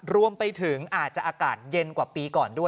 รวมไปถึงอาจจะอากาศเย็นกว่าปีก่อนด้วย